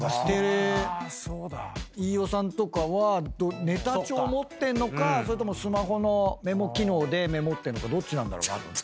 飯尾さんとかはネタ帳持ってんのかそれともスマホのメモ機能でメモってるかどっちなんだろなと思って。